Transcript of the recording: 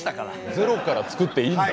ゼロから作っていいんだ？